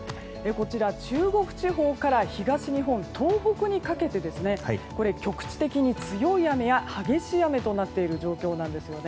こちら、中国地方から東日本、東北にかけて局地的に強い雨や激しい雨となっている状況なんです。